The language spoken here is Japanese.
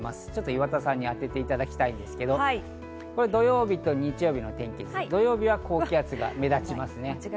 岩田さんに当てていただきたいんですけど、土曜日と日曜日、土曜日は高気圧が目立ちますね。